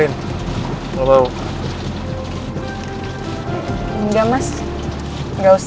yang dikanya nino terus